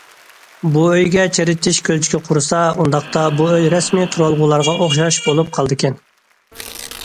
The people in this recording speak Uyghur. بۇ ئۆيگە چىرىتىش كۆلچىكى قۇرسا، ئۇنداقتا، بۇ ئۆي رەسمىي تۇرالغۇلارغا ئوخشاش بولۇپ قالىدىكەن.